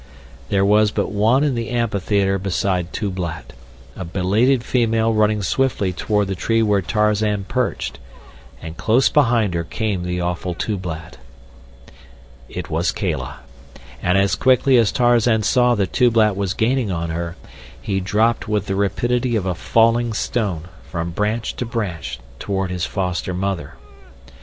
There was but one in the amphitheater beside Tublat, a belated female running swiftly toward the tree where Tarzan perched, and close behind her came the awful Tublat. It was Kala, and as quickly as Tarzan saw that Tublat was gaining on her he dropped with the rapidity of a falling stone, from branch to branch, toward his foster mother.